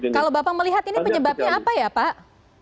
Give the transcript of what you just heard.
kalau bapak melihat ini penyebabnya apa ya pak